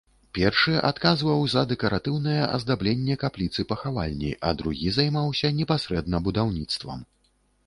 Першы адказваў за дэкаратыўнае аздабленне капліцы-пахавальні, а другі займаўся непасрэдна будаўніцтвам.